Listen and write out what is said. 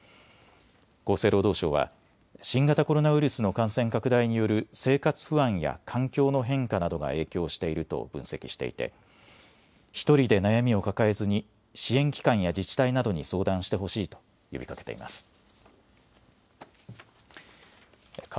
厚生労働省は新型コロナウイルスの感染拡大による生活不安や環境の変化などが影響していると分析していて１人で悩みを抱えずに支援機関や自治体などに相談してほしいと呼びかけています。